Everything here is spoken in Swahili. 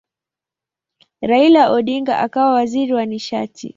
Raila Odinga akawa waziri wa nishati.